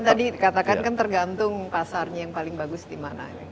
jadi katakan kan tergantung pasarnya yang paling bagus di mana